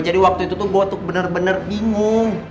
jadi waktu itu tuh gue tuh bener bener bingung